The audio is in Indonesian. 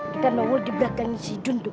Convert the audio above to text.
kita nunggu di belakang si jun dong